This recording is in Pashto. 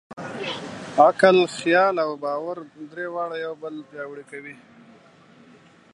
عقل، خیال او باور؛ درې واړه یو بل پیاوړي کوي.